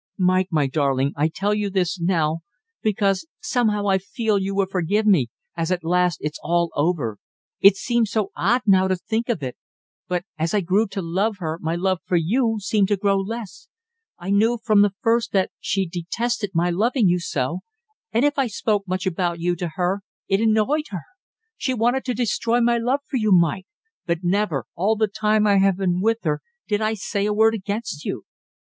Mike, my darling, I tell you this now because somehow I feel you will forgive me, as at last it's all over. It seems so odd now to think of it, but as I grew to love her my love for you seemed to grow less I knew from the first that she detested my loving you so, and if I spoke much about you to her it annoyed her. She wanted to destroy my love for you, Mike, but never, all the time I have been with her, did I say a word against you.